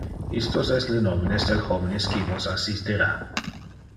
Istos es le nomines del homines qui vos assistera.